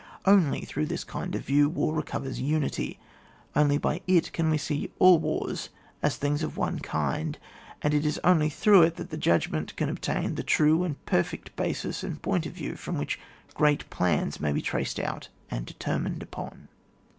Only through this kind of view, war recovers unity ; only by it can we see all wars as things of one kind; and it is only through it that the judgment can obtain the true and perfect basis and poLut of view from which great plans may be traced out and determined upon.